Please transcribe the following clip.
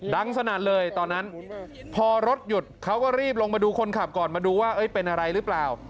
สนั่นเลยตอนนั้นพอรถหยุดเขาก็รีบลงมาดูคนขับก่อนมาดูว่าเป็นอะไรหรือเปล่า